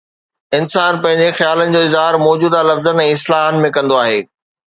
انسان پنهنجي خيالن جو اظهار موجوده لفظن ۽ اصطلاحن ۾ ڪندو آهي.